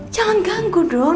jangan ganggu dong